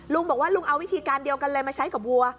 ลุงบอกว่าลุงเอาวิธีการเดียวกันเลยมาใช้กับวัว